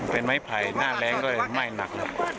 เป็นไม้ไผ่หน้าแรงด้วยไหม้หนัก